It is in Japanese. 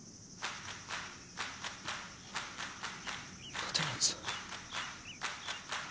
立松。